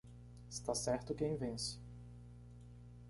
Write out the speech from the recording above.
Está certo quem vence.